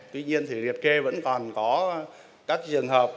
tuy nhiên thì liệt kê vẫn còn có các trường hợp